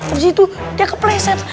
abis itu dia kepleset